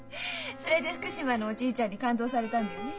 それで福島のおじいちゃんに勘当されたんだよね？